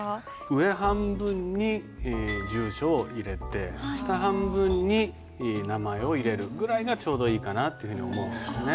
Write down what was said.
上半分に住所を入れて下半分に名前を入れるぐらいがちょうどいいかなというふうに思うんですね。